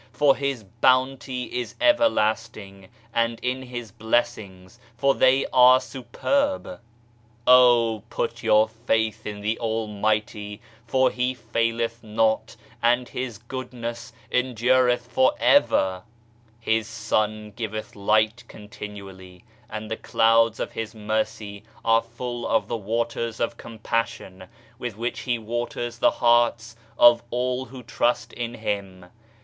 for His Bounty is everlasting, and in His Blessings, for they are superb. Oh I put your faith in the Almighty, for He f aileth not and His goodness endureth for ever 1 His Sun giveth Light continually, and the Clouds of His Mercy are full of the Waters of Compassion with which He waters the hearts of all who trust in Him.